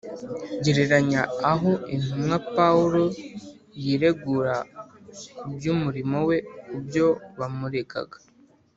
Gereranya aho intumwa (Pawulo) yiregura ku by'umurimo we ku byo bamuregaga.